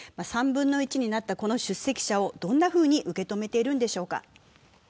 ３分の１になったこの出席者をどんなふうに受け止めているんでしょうか。